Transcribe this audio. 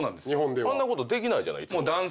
あんなことできないじゃない。